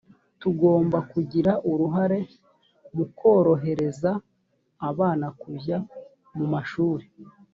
tugomba kugira uruhare mu kurohereza abana kujya mu mashuli